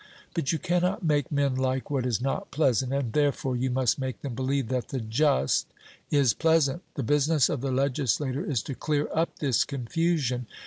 But you cannot make men like what is not pleasant, and therefore you must make them believe that the just is pleasant. The business of the legislator is to clear up this confusion.